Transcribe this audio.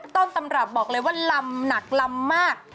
ต้นตำรับบอกเลยว่าลำหนักลำมาก